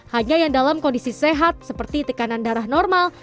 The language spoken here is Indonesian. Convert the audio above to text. hanya yang dalam kondisi sehat seperti tekanan darah normal